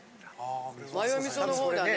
マヨ味噌のほうだね。